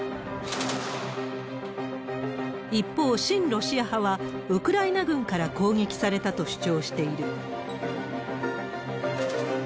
一方、親ロシア派はウクライナ軍から攻撃されたと主張している。